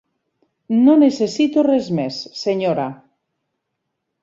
No necessito res més, senyora.